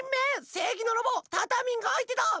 せいぎのロボタタミンがあいてだ！